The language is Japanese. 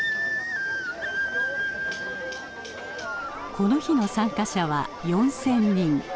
この日の参加者は４，０００人。